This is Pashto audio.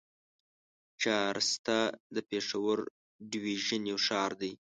چارسده د پېښور ډويژن يو ښار دی.